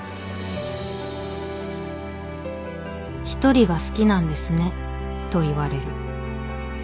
「『一人が好きなんですね』と言われる。